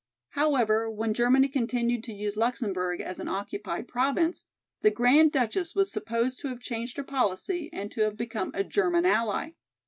However, when Germany continued to use Luxemburg as an occupied province, the Grand Duchess was supposed to have changed her policy and to have become a German ally.